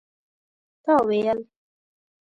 تا ويل